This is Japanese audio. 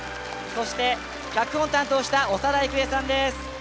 そして脚本を担当した長田育恵さんです。